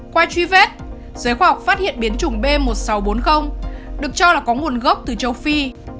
qua truy vết giới khoa học phát hiện biến chủng b một nghìn sáu trăm bốn mươi được cho là có nguồn gốc từ châu phi